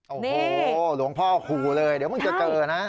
โอ้โหหลวงพ่อขู่เลยเดี๋ยวมึงจะเจอนะ